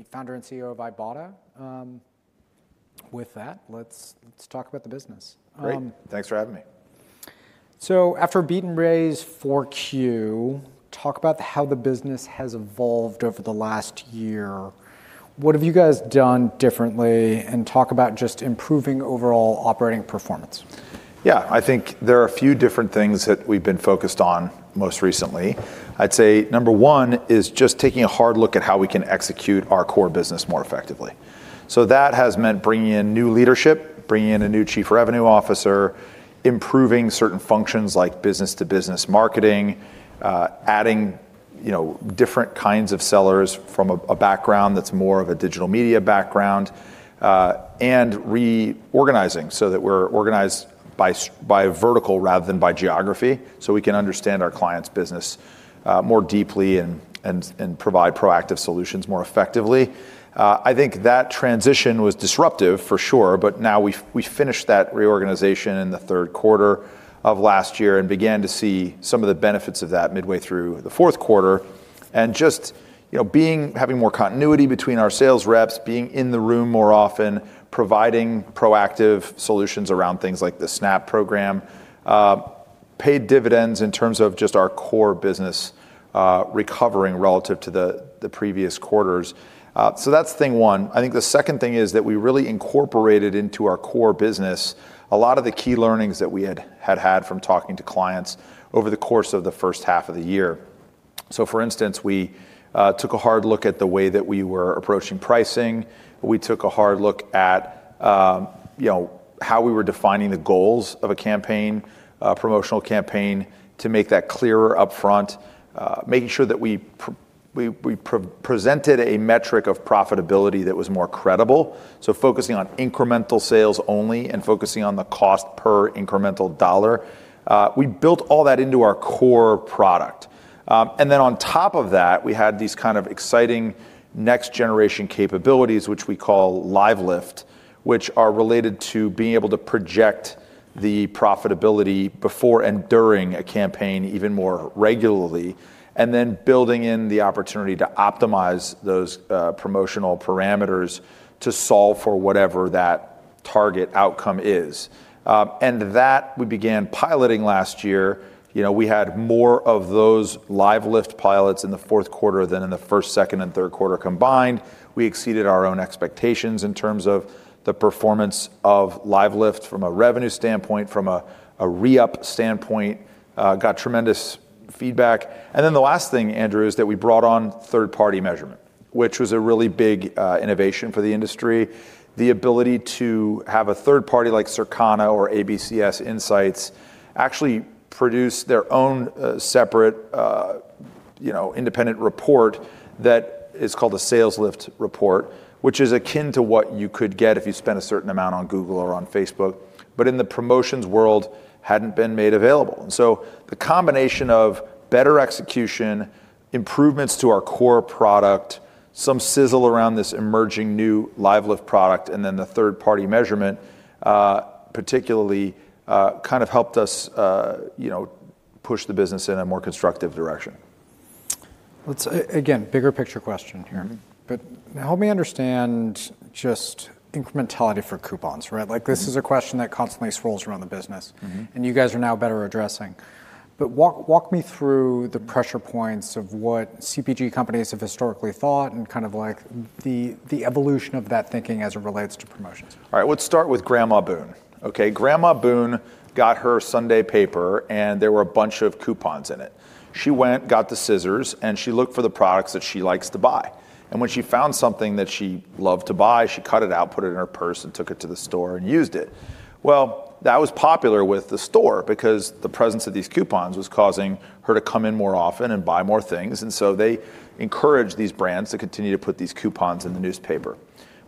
The Founder and CEO of Ibotta. With that, let's talk about the business. Great. Thanks for having me. After a beaten raise for Q, talk about how the business has evolved over the last year. What have you guys done differently? Talk about just improving overall operating performance. Yeah. I think there are a few different things that we've been focused on most recently. I'd say number one is just taking a hard look at how we can execute our core business more effectively. That has meant bringing in new leadership, bringing in a new chief revenue officer, improving certain functions like business-to-business marketing, adding, you know, different kinds of sellers from a background that's more of a digital media background and reorganizing so that we're organized by vertical rather than by geography so we can understand our clients' business more deeply and provide proactive solutions more effectively. I think that transition was disruptive for sure, now we finished that reorganization in the third quarter of last year and began to see some of the benefits of that midway through the fourth quarter. Just, you know, being, having more continuity between our sales reps, being in the room more often, providing proactive solutions around things like the SNAP program, paid dividends in terms of just our core business, recovering relative to the previous quarters. That's thing one. I think the second thing is that we really incorporated into our core business a lot of the key learnings that we had had from talking to clients over the course of the first half of the year. For instance, we took a hard look at the way that we were approaching pricing. We took a hard look at, you know, how we were defining the goals of a campaign, promotional campaign to make that clearer upfront, making sure that we presented a metric of profitability that was more credible, so focusing on incremental sales only and focusing on the cost per incremental dollar. We built all that into our core product. Then on top of that, we had these kind of exciting next-generation capabilities, which we call LiveLift, which are related to being able to project the profitability before and during a campaign even more regularly, and then building in the opportunity to optimize those promotional parameters to solve for whatever that target outcome is. That we began piloting last year. You know, we had more of those LiveLift pilots in the fourth quarter than in the first, second, and third quarter combined. We exceeded our own expectations in terms of the performance of LiveLift from a revenue standpoint, from a re-up standpoint, got tremendous feedback. The last thing, Andrew, is that we brought on third-party measurement, which was a really big innovation for the industry. The ability to have a third party like Circana or ABCS Insights actually produce their own, separate, you know, independent report that is called a sales lift report, which is akin to what you could get if you spent a certain amount on Google or on Facebook, but in the promotions world hadn't been made available. The combination of better execution, improvements to our core product, some sizzle around this emerging new LiveLift product, and then the third-party measurement, particularly, kind of helped us, you know, push the business in a more constructive direction. Let's again, bigger picture question here. Help me understand just incrementality for coupons, right? Like, this is a question that constantly swirls around the business and you guys are now better addressing. Walk me through the pressure points of what CPG companies have historically thought and kind of like the evolution of that thinking as it relates to promotions. All right. Let's start with Grandma Boone, okay? Grandma Boone got her Sunday paper, there were a bunch of coupons in it. She went, got the scissors, she looked for the products that she likes to buy. When she found something that she loved to buy, she cut it out, put it in her purse, and took it to the store and used it. Well, that was popular with the store because the presence of these coupons was causing her to come in more often and buy more things, they encouraged these brands to continue to put these coupons in the newspaper.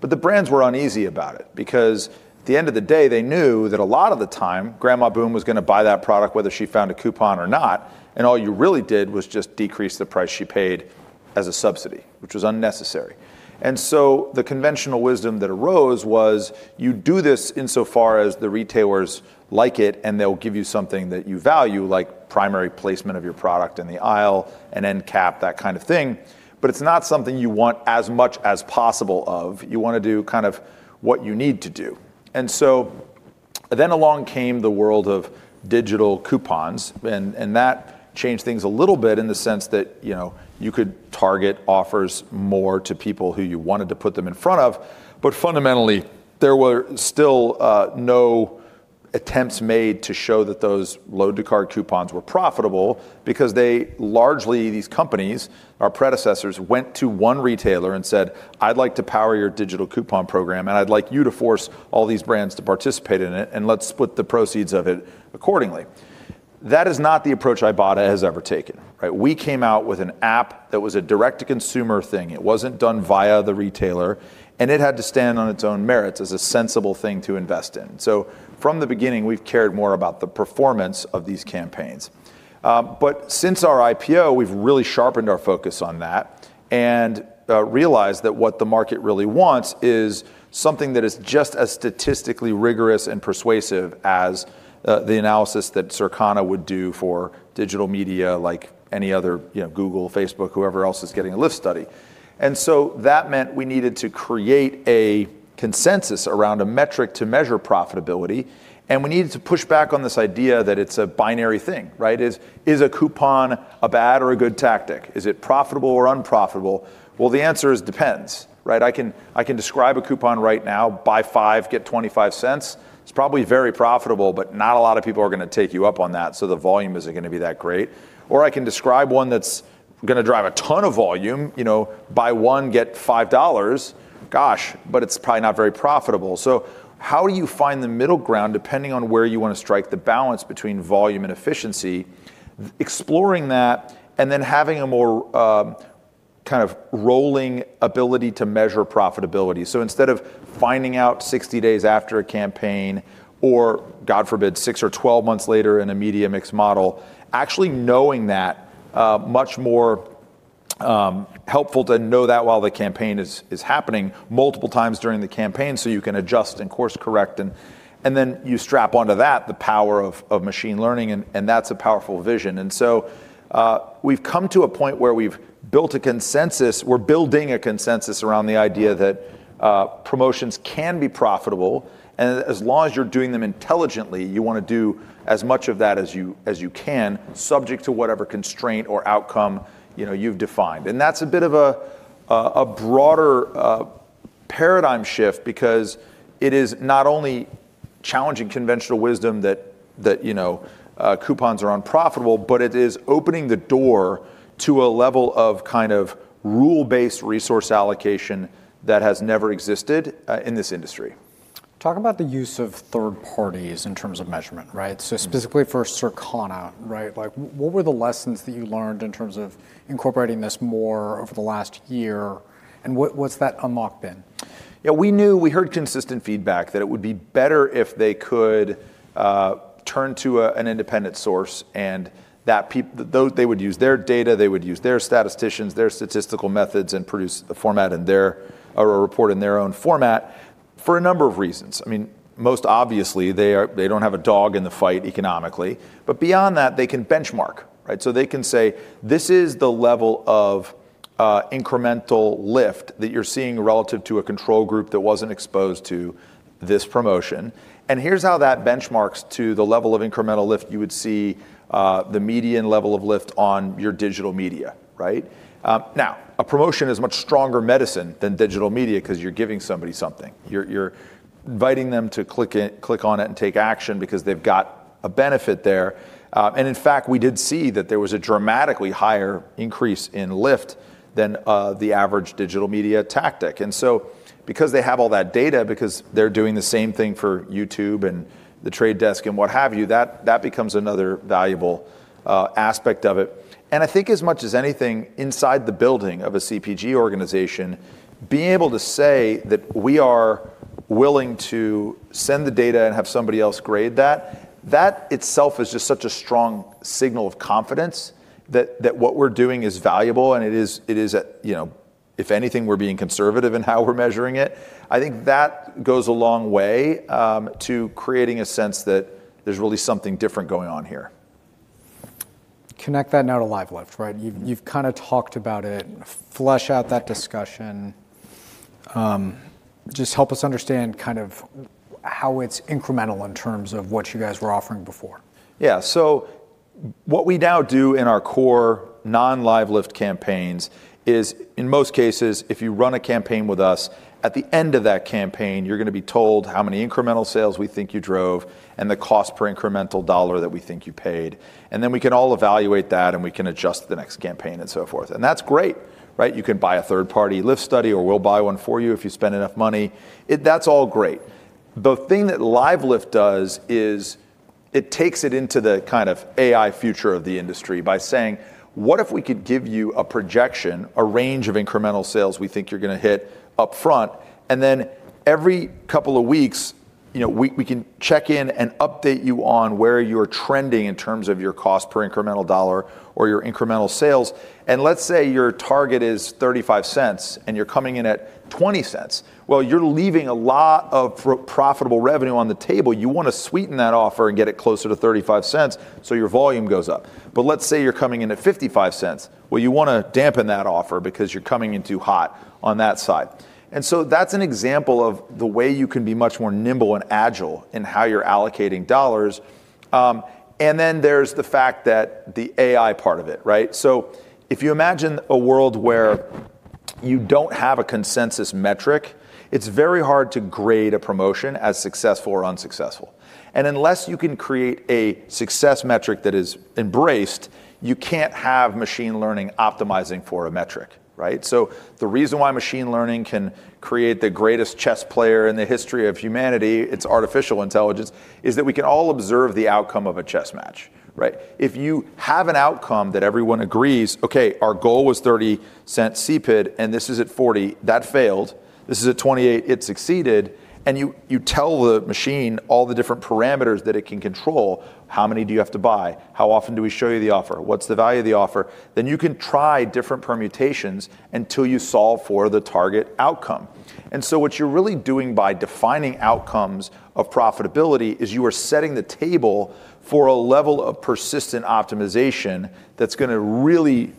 The brands were uneasy about it because at the end of the day, they knew that a lot of the time Grandma Boone was gonna buy that product whether she found a coupon or not, and all you really did was just decrease the price she paid as a subsidy, which was unnecessary. The conventional wisdom that arose was you do this insofar as the retailers like it, and they'll give you something that you value, like primary placement of your product in the aisle and end cap, that kind of thing, but it's not something you want as much as possible of. You wanna do kind of what you need to do. Along came the world of digital coupons and that changed things a little bit in the sense that, you know, you could target offers more to people who you wanted to put them in front of. Fundamentally, there were still no attempts made to show that those load-to-card coupons were profitable because they largely, these companies, our predecessors, went to one retailer and said, "I'd like to power your digital coupon program, and I'd like you to force all these brands to participate in it, and let's split the proceeds of it accordingly." That is not the approach Ibotta has ever taken, right? We came out with an app that was a direct-to-consumer thing. It wasn't done via the retailer, and it had to stand on its own merits as a sensible thing to invest in. From the beginning, we've cared more about the performance of these campaigns. Since our IPO, we've really sharpened our focus on that and realized that what the market really wants is something that is just as statistically rigorous and persuasive as the analysis that Circana would do for digital media like any other, you know, Google, Facebook, whoever else is getting a lift study. That meant we needed to create a consensus around a metric to measure profitability, and we needed to push back on this idea that it's a binary thing, right? Is a coupon a bad or a good tactic? Is it profitable or unprofitable? The answer is depends, right? I can describe a coupon right now, buy five, get $0.25. It's probably very profitable, but not a lot of people are gonna take you up on that, so the volume isn't gonna be that great. I can describe one that's gonna drive a ton of volume, you know, buy one, get $5. Gosh, but it's probably not very profitable. How you find the middle ground, depending on where you wanna strike the balance between volume and efficiency, exploring that and then having a more, kind of rolling ability to measure profitability. Instead of finding out 60 days after a campaign, or God forbid, six or 12 months later in a media mix model, actually knowing that, much more, helpful to know that while the campaign is happening multiple times during the campaign so you can adjust and course correct. Then you strap onto that the power of machine learning, and that's a powerful vision. So, we've come to a point where we've built a consensus. We're building a consensus around the idea that promotions can be profitable, and as long as you're doing them intelligently, you wanna do as much of that as you can, subject to whatever constraint or outcome, you know, you've defined. That's a bit of a broader paradigm shift because it is not only challenging conventional wisdom that, you know, coupons are unprofitable, but it is opening the door to a level of kind of rule-based resource allocation that has never existed in this industry. Talk about the use of third parties in terms of measurement, right? Specifically for Circana, right? Like what were the lessons that you learned in terms of incorporating this more over the last year, and what's that unlock been? Yeah, we knew we heard consistent feedback that it would be better if they could turn to an independent source and that they would use their data, they would use their statisticians, their statistical methods and produce the format in their, or a report in their own format for a number of reasons. I mean, most obviously, they don't have a dog in the fight economically. Beyond that, they can benchmark, right? They can say, "This is the level of incremental lift that you're seeing relative to a control group that wasn't exposed to this promotion. Here's how that benchmarks to the level of incremental lift you would see, the median level of lift on your digital media," right? Now, a promotion is much stronger medicine than digital media 'cause you're giving somebody something. You're, you're inviting them to click it, click on it and take action because they've got a benefit there. In fact, we did see that there was a dramatically higher increase in lift than the average digital media tactic. Because they have all that data, because they're doing the same thing for YouTube and The Trade Desk and what have you, that becomes another valuable aspect of it. I think as much as anything inside the building of a CPG organization, being able to say that we are willing to send the data and have somebody else grade that itself is just such a strong signal of confidence that what we're doing is valuable and it is, it is at, you know, if anything, we're being conservative in how we're measuring it. I think that goes a long way to creating a sense that there's really something different going on here. Connect that now to LiveLift, right? You've kinda talked about it. Flush out that discussion. Just help us understand kind of how it's incremental in terms of what you guys were offering before. Yeah. What we now do in our core non-LiveLift campaigns is, in most cases, if you run a campaign with us, at the end of that campaign, you're gonna be told how many incremental sales we think you drove and the cost per incremental dollar that we think you paid. Then we can all evaluate that, and we can adjust the next campaign and so forth. That's great, right? You can buy a third-party lift study or we'll buy one for you if you spend enough money. That's all great. The thing that LiveLift does is it takes it into the kind of AI future of the industry by saying, "What if we could give you a projection, a range of incremental sales we think you're gonna hit up front? Every couple of weeks, you know, we can check in and update you on where you're trending in terms of your cost per incremental dollar or your incremental sales. Let's say your target is $0.35 and you're coming in at $0.20, well, you're leaving a lot of profitable revenue on the table. You wanna sweeten that offer and get it closer to $0.35, so your volume goes up. Let's say you're coming in at $0.55. Well, you wanna dampen that offer because you're coming in too hot on that side. That's an example of the way you can be much more nimble and agile in how you're allocating dollars. And then there's the fact that the AI part of it, right? If you imagine a world where you don't have a consensus metric, it's very hard to grade a promotion as successful or unsuccessful. Unless you can create a success metric that is embraced, you can't have machine learning optimizing for a metric, right? The reason why machine learning can create the greatest chess player in the history of humanity, it's artificial intelligence, is that we can all observe the outcome of a chess match, right? If you have an outcome that everyone agrees, okay, our goal was $0.30 CPID, and this is at 40, that failed. This is at 28, it succeeded. You, you tell the machine all the different parameters that it can control. How many do you have to buy? How often do we show you the offer? What's the value of the offer? You can try different permutations until you solve for the target outcome. What you're really doing by defining outcomes of profitability is you are setting the table for a level of persistent optimization that's gonna really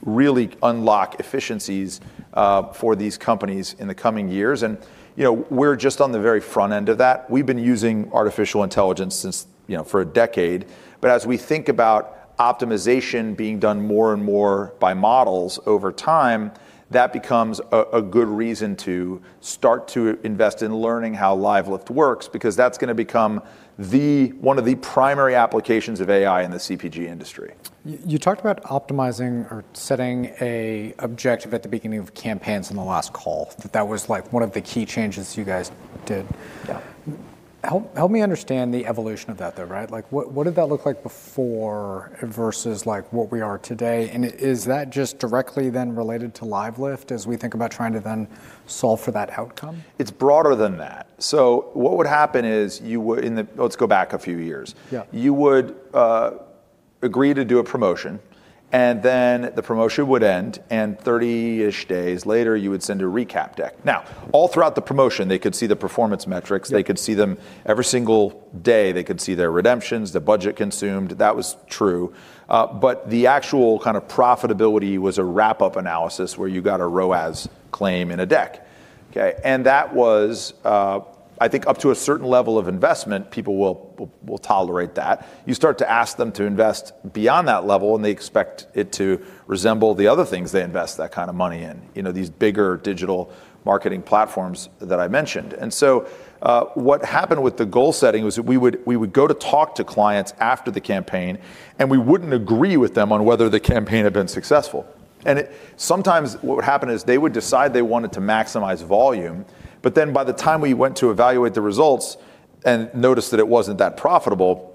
unlock efficiencies for these companies in the coming years. You know, we're just on the very front end of that. We've been using artificial intelligence since, you know, for a decade. As we think about optimization being done more and more by models over time, that becomes a good reason to start to invest in learning how LiveLift works, because that's gonna become one of the primary applications of AI in the CPG industry. You talked about optimizing or setting a objective at the beginning of campaigns on the last call, that was, like, one of the key changes you guys. It did. Help me understand the evolution of that, though, right? Like, what did that look like before versus, like, what we are today? Is that just directly then related to LiveLift as we think about trying to then solve for that outcome? It's broader than that. Let's go back a few years. You would agree to do a promotion, and then the promotion would end, and 30-ish days later you would send a recap deck. Now, all throughout the promotion they could see the performance metrics. They could see them every single day. They could see their redemptions, the budget consumed. That was true. The actual kind of profitability was a wrap-up analysis where you got a ROAS claim in a deck. Okay? That was, I think up to a certain level of investment, people will tolerate that. You start to ask them to invest beyond that level, and they expect it to resemble the other things they invest that kind of money in, you know, these bigger digital marketing platforms that I mentioned. What happened with the goal setting was that we would go to talk to clients after the campaign, and we wouldn't agree with them on whether the campaign had been successful. Sometimes what would happen is they would decide they wanted to maximize volume, by the time we went to evaluate the results and noticed that it wasn't that profitable,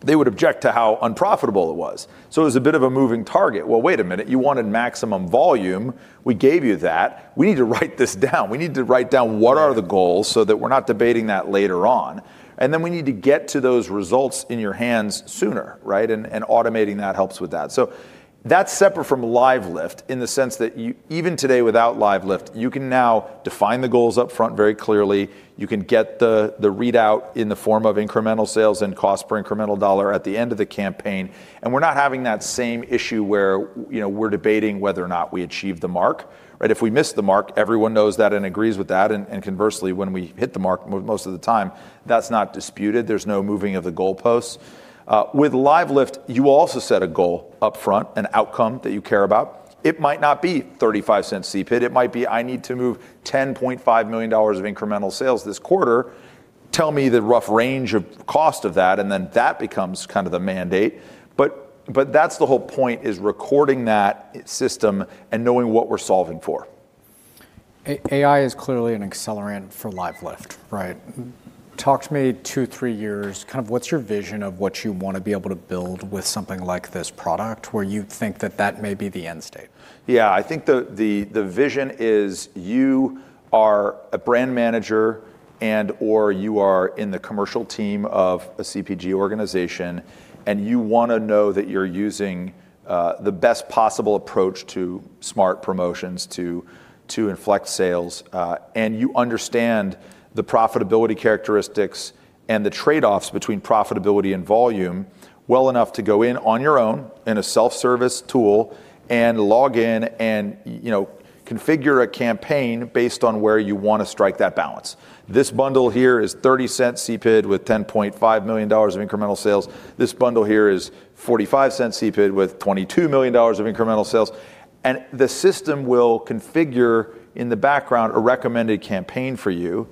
they would object to how unprofitable it was. It was a bit of a moving target. Well, wait a minute, you wanted maximum volume, we gave you that. We need to write this down. We need to write down what are the goals so that we're not debating that later on. We need to get to those results in your hands sooner, right? Automating that helps with that. That's separate from LiveLift in the sense that even today without LiveLift, you can now define the goals up front very clearly, you can get the readout in the form of incremental sales and cost per incremental dollar at the end of the campaign, and we're not having that same issue where, you know, we're debating whether or not we achieved the mark, right? If we missed the mark, everyone knows that and agrees with that, and conversely, when we hit the mark, most of the time, that's not disputed. There's no moving of the goalposts. With LiveLift, you also set a goal up front, an outcome that you care about. It might not be $0.35 CPID. It might be, "I need to move $10.5 million of incremental sales this quarter. Tell me the rough range of cost of that, and then that becomes kind of the mandate. That's the whole point is recording that system and knowing what we're solving for. AI is clearly an accelerant for LiveLift, right? Talk to me two, three years, kind of what's your vision of what you wanna be able to build with something like this product where you think that that may be the end state? Yeah. I think the vision is you are a brand manager and/or you are in the commercial team of a CPG organization, and you wanna know that you're using the best possible approach to Smart Promotions to inflect sales, and you understand the profitability characteristics and the trade-offs between profitability and volume well enough to go in on your own in a self-service tool and log in and, you know, configure a campaign based on where you wanna strike that balance. This bundle here is $0.30 CPID with $10.5 million of incremental sales. This bundle here is $0.45 CPID with $22 million of incremental sales. The system will configure in the background a recommended campaign for you.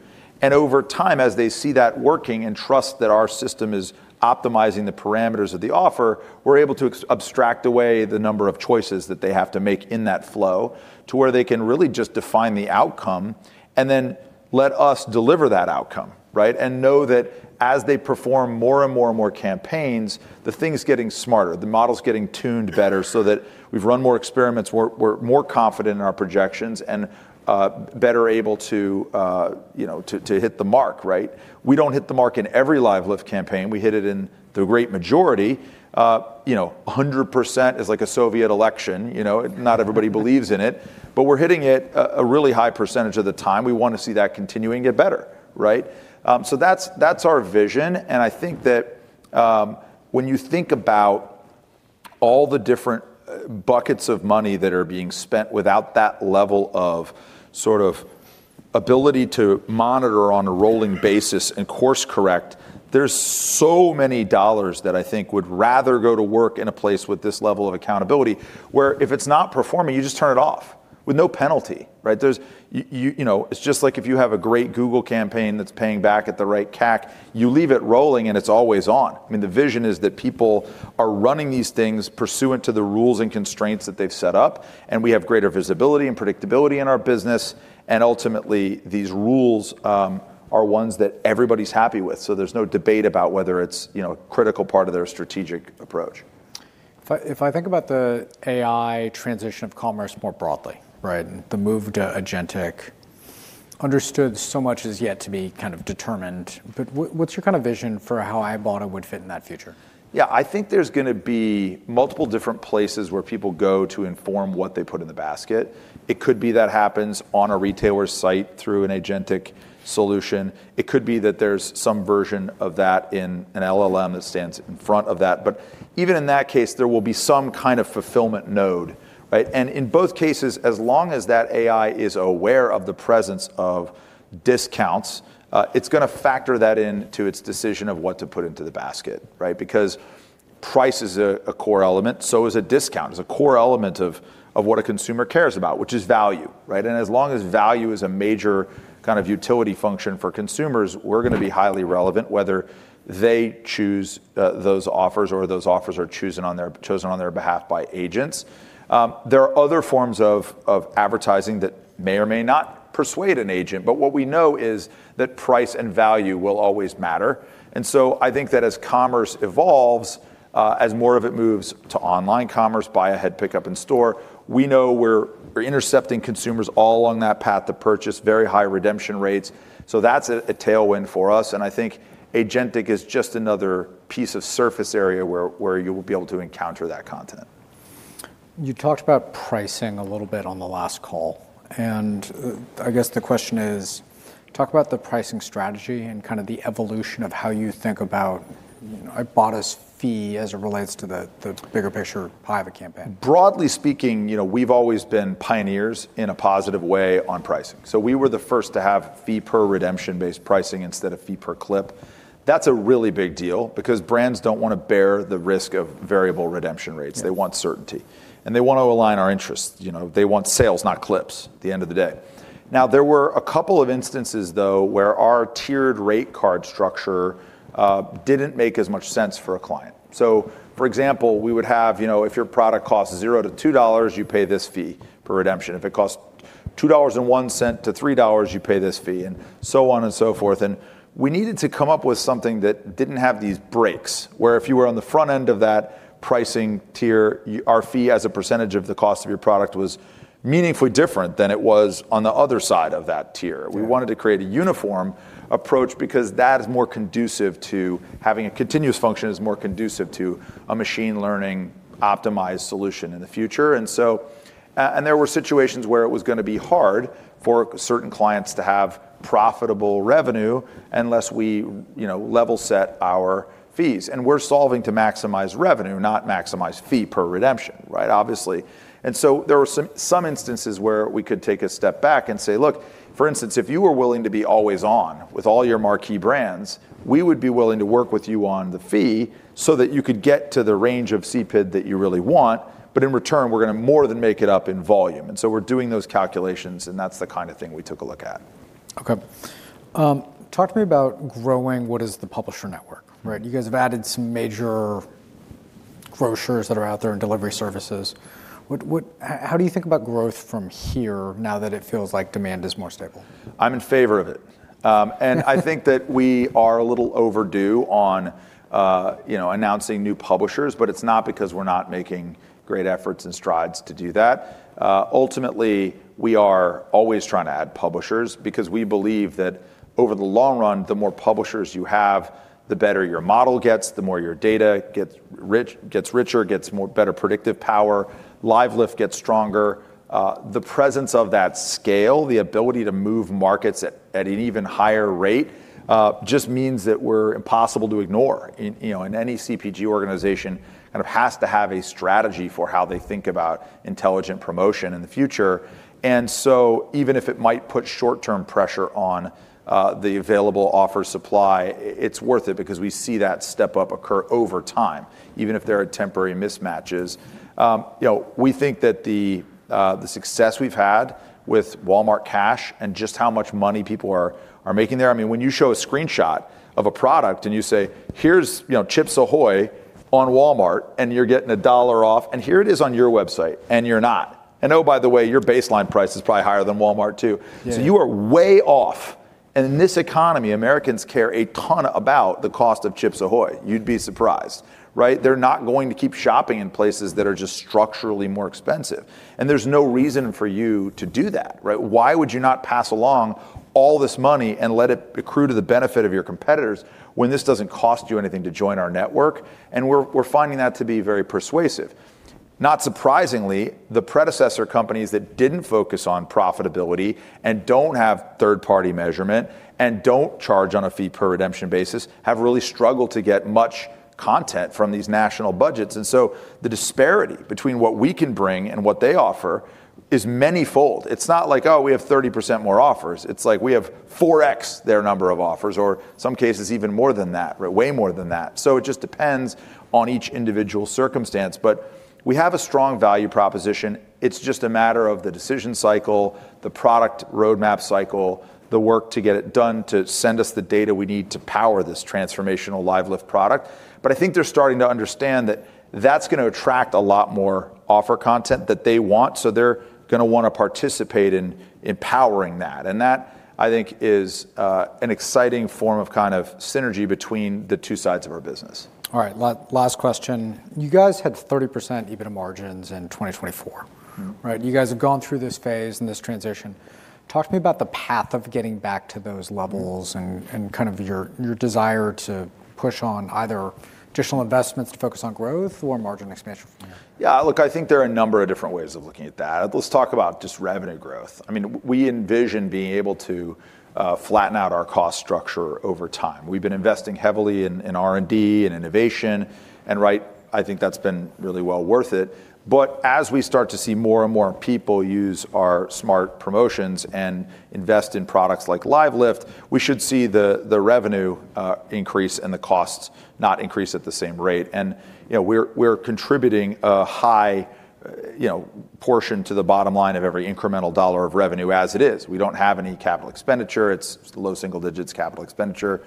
Over time, as they see that working and trust that our system is optimizing the parameters of the offer, we're able to abstract away the number of choices that they have to make in that flow to where they can really just define the outcome and then let us deliver that outcome, right? Know that as they perform more and more and more campaigns, the thing is getting smarter. The model's getting tuned better so that we've run more experiments, we're more confident in our projections, and better able to, you know, to hit the mark, right? We don't hit the mark in every LiveLift campaign. We hit it in the great majority. You know, 100% is like a Soviet election, you know? Not everybody believes in it. We're hitting it a really high percentage of the time. We wanna see that continue and get better, right? That's, that's our vision, and I think that, when you think about all the different buckets of money that are being spent without that level of sort of ability to monitor on a rolling basis and course correct, there's so many dollars that I think would rather go to work in a place with this level of accountability, where if it's not performing, you just turn it off with no penalty, right? You know, it's just like if you have a great Google campaign that's paying back at the right CAC, you leave it rolling and it's always on. I mean, the vision is that people are running these things pursuant to the rules and constraints that they've set up, and we have greater visibility and predictability in our business, and ultimately, these rules, are ones that everybody's happy with. There's no debate about whether it's, you know, a critical part of their strategic approach. If I think about the AI transition of commerce more broadly, right? The move to agentic. Understood so much is yet to be kind of determined, but what's your kind of vision for how Ibotta would fit in that future? Yeah, I think there's gonna be multiple different places where people go to inform what they put in the basket. It could be that happens on a retailer's site through an agentic solution. It could be that there's some version of that in an LLM that stands in front of that. Even in that case, there will be some kind of fulfillment node, right? In both cases, as long as that AI is aware of the presence of discounts, it's gonna factor that into its decision of what to put into the basket, right? Price is a core element, so is a discount, is a core element of what a consumer cares about, which is value, right? As long as value is a major kind of utility function for consumers, we're gonna be highly relevant whether they choose those offers or those offers are chosen on their behalf by agents. There are other forms of advertising that may or may not persuade an agent, but what we know is that price and value will always matter. I think that as commerce evolves, as more of it moves to online commerce, buy ahead, pick up in store, we know we're intercepting consumers all along that path of purchase, very high redemption rates. That's a tailwind for us, and I think agentic is just another piece of surface area where you will be able to encounter that content. You talked about pricing a little bit on the last call, and, I guess the question is, talk about the pricing strategy and kind of the evolution of how you think about, you know, Ibotta's fee as it relates to the bigger picture of a campaign. Broadly speaking, you know, we've always been pioneers in a positive way on pricing. We were the first to have fee-per-redemption-based pricing instead of fee-per-clip. That's a really big deal because brands don't wanna bear the risk of variable redemption rates. They want certainty, and they want to align our interests, you know. They want sales, not clips at the end of the day. There were a couple of instances, though, where our tiered rate card structure, didn't make as much sense for a client. For example, we would have, you know, if your product costs $0-$2, you pay this fee per redemption. If it costs $2.01-$3, you pay this fee and so on and so forth. We needed to come up with something that didn't have these breaks, where if you were on the front end of that pricing tier, our fee as a percentage of the cost of your product was meaningfully different than it was on the other side of that tier. We wanted to create a uniform approach because that is more conducive to having a continuous function, is more conducive to a machine learning optimized solution in the future. There were situations where it was gonna be hard for certain clients to have profitable revenue unless we, you know, level set our fees. We're solving to maximize revenue, not maximize fee per redemption, right? Obviously. There were some instances where we could take a step back and say, "Look, for instance, if you were willing to be always on with all your marquee brands, we would be willing to work with you on the fee so that you could get to the range of CPID that you really want, but in return we're gonna more than make it up in volume." We're doing those calculations, and that's the kind of thing we took a look at. Okay. Talk to me about growing what is the publisher network, right? You guys have added some major grocers that are out there and delivery services. How do you think about growth from here now that it feels like demand is more stable? I'm in favor of it. I think that we are a little overdue on, you know, announcing new publishers, but it's not because we're not making great efforts and strides to do that. Ultimately, we are always trying to add publishers because we believe that over the long run, the more publishers you have, the better your model gets, the more your data gets richer, gets more better predictive power, LiveLift gets stronger. The presence of that scale, the ability to move markets at an even higher rate, just means that we're impossible to ignore. You know, any CPG organization kind of has to have a strategy for how they think about intelligent promotion in the future. Even if it might put short-term pressure on, the available offer supply, it's worth it because we see that step-up occur over time, even if there are temporary mismatches. You know, we think that the success we've had with Walmart Cash and just how much money people are making there, I mean, when you show a screenshot of a product and you say, "Here's, you know, Chips Ahoy! on Walmart, and you're getting $1 off, and here it is on your website, and you're not. And oh, by the way, your baseline price is probably higher than Walmart too. You are way off. In this economy, Americans care a ton about the cost of Chips Ahoy!. You'd be surprised, right? They're not going to keep shopping in places that are just structurally more expensive, and there's no reason for you to do that, right? Why would you not pass along all this money and let it accrue to the benefit of your competitors when this doesn't cost you anything to join our network? We're finding that to be very persuasive. Not surprisingly, the predecessor companies that didn't focus on profitability and don't have third-party measurement and don't charge on a fee-per-redemption basis, have really struggled to get much content from these national budgets. The disparity between what we can bring and what they offer is manyfold. It's not like, "Oh, we have 30% more offers." It's like, we have 4x their number of offers, or some cases even more than that, or way more than that. It just depends on each individual circumstance. We have a strong value proposition. It's just a matter of the decision cycle, the product roadmap cycle, the work to get it done to send us the data we need to power this transformational LiveLift product. I think they're starting to understand that that's gonna attract a lot more offer content that they want, so they're gonna wanna participate in empowering that. That, I think, is an exciting form of kind of synergy between the two sides of our business. All right. Last question. You guys had 30% EBITDA margins in 2024. Right? You guys have gone through this phase and this transition. Talk to me about the path of getting back to those levels and kind of your desire to push on either additional investments to focus on growth or margin expansion. Yeah. Look, I think there are a number of different ways of looking at that. Let's talk about just revenue growth. I mean, we envision being able to flatten out our cost structure over time. We've been investing heavily in R&D and innovation and, right, I think that's been really well worth it. But as we start to see more and more people use our Smart Promotions and invest in products like LiveLift, we should see the revenue increase and the costs not increase at the same rate. You know, we're contributing a high, you know, portion to the bottom line of every incremental dollar of revenue as it is. We don't have any capital expenditure. It's low single digits capital expenditure.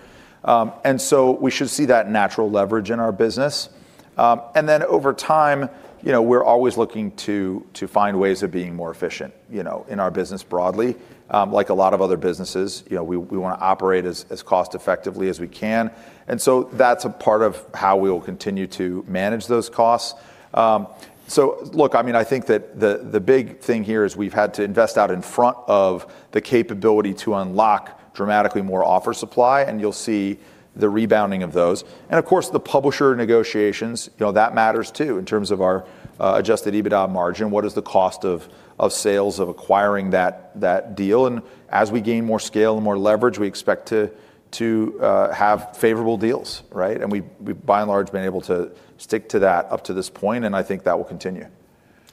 So we should see that natural leverage in our business. Then over time, you know, we're always looking to find ways of being more efficient, you know, in our business broadly. Like a lot of other businesses, you know, we wanna operate as cost effectively as we can. That's a part of how we will continue to manage those costs. Look, I mean, I think that the big thing here is we've had to invest out in front of the capability to unlock dramatically more offer supply, and you'll see the rebounding of those. Of course, the publisher negotiations, you know, that matters too in terms of our Adjusted EBITDA margin. What is the cost of sales of acquiring that deal? As we gain more scale and more leverage, we expect to have favorable deals, right? We by and large have been able to stick to that up to this point, and I think that will continue.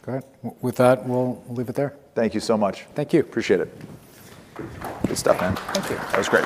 Okay. With that, we'll leave it there. Thank you so much. Thank you. Appreciate it. Good stuff, man. Thank you. That was great.